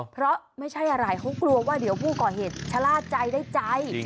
เพราะไม่ใช่อะไรเขากลัวว่าเดี๋ยวผู้ก่อเหตุชะล่าใจได้ใจ